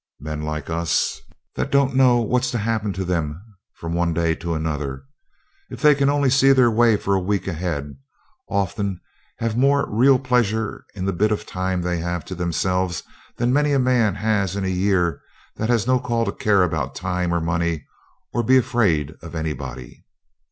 Men like us, that don't know what's to happen to them from one day to another, if they can only see their way for a week ahead, often have more real pleasure in the bit of time they have to themselves than many a man has in a year that has no call to care about time or money or be afraid of anybody.